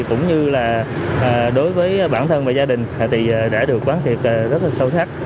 cũng như là đối với bản thân và gia đình thì đã được bán thiệp rất là sâu sắc